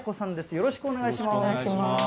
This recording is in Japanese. よろしくお願いします。